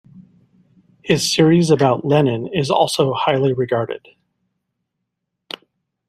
His series about Lenin is also highly regarded.